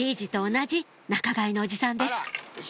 同じ仲買のおじさんです